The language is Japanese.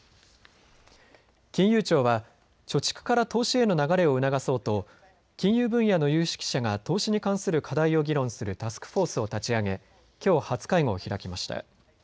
金融庁は貯蓄から投資への流れを促そうと金融分野の有識者が投資に関する課題を議論するタスクフォースを立ち上げきょう初会合を開きました。